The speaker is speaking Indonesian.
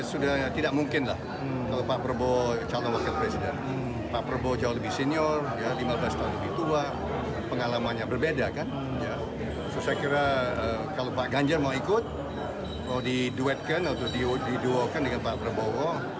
saya kira kalau pak ganjar mau ikut mau diduetkan atau diduokan dengan pak prabowo